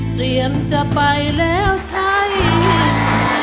เตรียมจะไปแล้วใช่